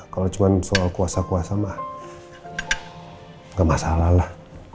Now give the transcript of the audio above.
kalau cuma soal kuasa kuasa mah gak masalah lah